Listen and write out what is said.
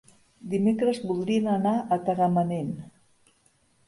Dimecres voldrien anar a Tagamanent.